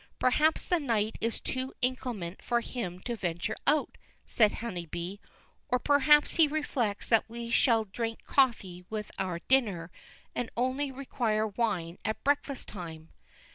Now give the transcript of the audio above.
"Perhaps the night is too inclement for him to venture out," said Honeybee; "or perhaps he reflects that we shall drink coffee with our dinner, and only require wine at breakfast time."